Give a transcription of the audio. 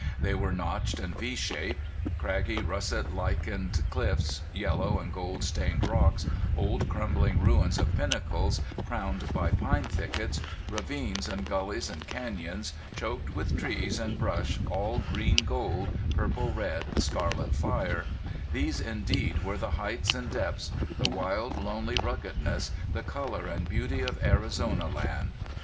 They were notched and v shaped. Craggy russet lichened cliffs, yellow and gold stained rocks, old crumbling ruins of pinnacles crowned by pine thickets, ravines and gullies and canyons, choked with trees and brush all green gold, purple red, scarlet fire these indeed were the heights and depths, the wild, lonely ruggedness, the color and beauty of Arizona land.